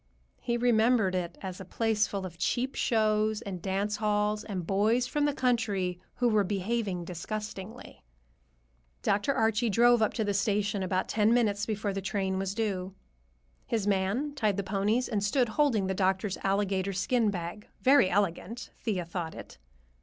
He remembered it as a place full of cheap shows and dance halls and boys from the country who were behaving disgustingly. Dr. Archie drove up to the station about ten minutes before the train was due. His man tied the ponies and stood holding the doctor's alligator skin bag—very elegant, Thea thought it.